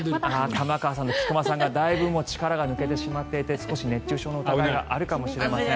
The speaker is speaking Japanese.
玉川さんと菊間さんがかなり力が抜けてしまっていて少し熱中症の疑いがあるかもしれません。